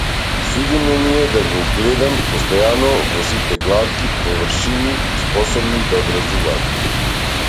Судено ми е да го гледам постојано, во сите глатки површини способни да одразуваат.